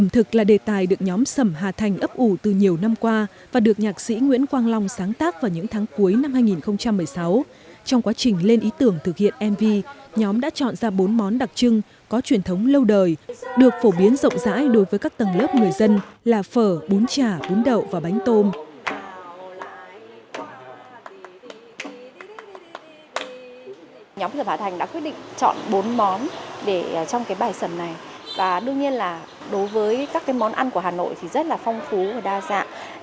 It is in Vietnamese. tức là nó trong cái nghệ thuật thì nó có cái sự dân dã